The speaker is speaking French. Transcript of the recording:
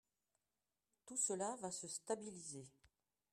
Tout cela va se stabiliser.